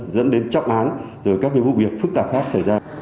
dẫn đến trọng án rồi các vụ việc phức tạp khác xảy ra